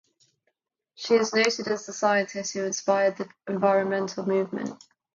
She is noted as the scientist who inspired the environmental movement.